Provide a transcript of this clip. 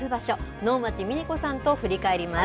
能町みね子さんと振り返ります。